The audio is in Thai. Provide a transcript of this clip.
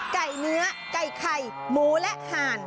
เนื้อไก่ไข่หมูและห่าน